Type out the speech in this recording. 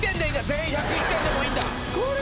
全員１０１点でもいいんだ！